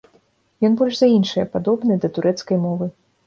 Ён больш за іншыя падобны да турэцкай мовы.